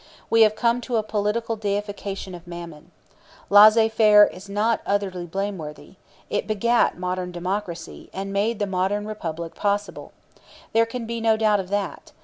We have come to a political deification of Mammon. Laissez faire is not utterly blameworthy. It begat modern democracy, and made the modern republic possible. There can be no doubt of that.